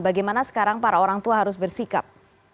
bagaimana sekarang para orang tua harus bersikap